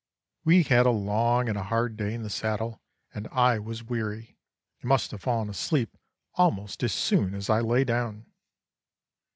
"We had had a long and a hard day in the saddle, and I was weary, and must have fallen asleep almost as soon as I lay down.